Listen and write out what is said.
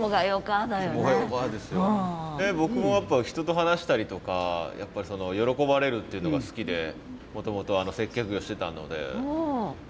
僕もやっぱ人と話したりとかやっぱりその喜ばれるっていうのが好きでもともと接客業してたので。